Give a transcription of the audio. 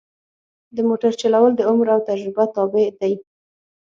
د موټر چلول د عمر او تجربه تابع دي.